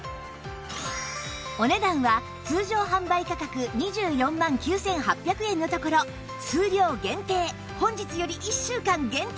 お値段は通常販売価格２４万９８００円のところ数量限定本日より１週間限定